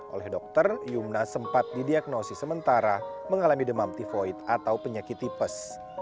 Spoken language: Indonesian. oleh dokter yumna sempat didiagnosis sementara mengalami demam tivoid atau penyakit tipes